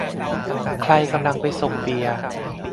ใครกำลังไปส่งเบียร์ ?